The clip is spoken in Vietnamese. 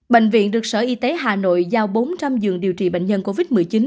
bệnh viện được sở y tế hà nội giao bốn trăm linh giường điều trị bệnh nhân covid một mươi chín